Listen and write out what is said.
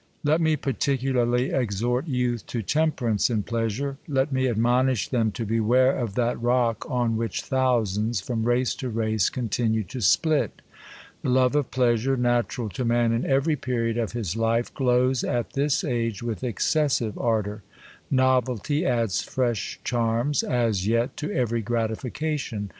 LET me particularly exhort youth to temperance in pleasure. Let me admonish them, to beware of that rock on which thousands, from race to race, continue to split. The love of pleasure, natural to man in every period of his life, glows at this age v/ith excGosive ardor. Novelty adds fresh charms, as yet, to every gratification.